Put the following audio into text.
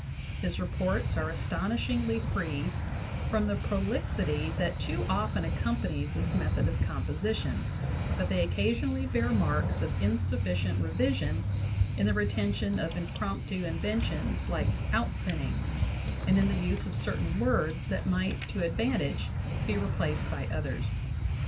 His reports are astonish ingly free from the prolixity that too often accompanies this method of composition; but they occasionally bear marks of insufficient revision in the retention of impromptu inventions like "outthinnings" and in the use of certain words that might to advantage be replaced by others.